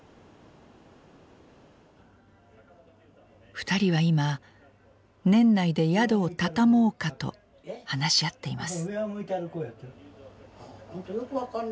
２人は今「年内で宿を畳もうか」と話し合っています。